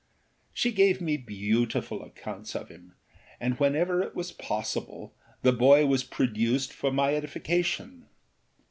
She gave me beautiful accounts of him, and whenever it was possible the boy was produced for my edification.